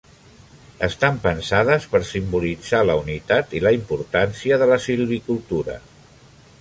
Estan pensades per simbolitzar la unitat i la importància de la silvicultura.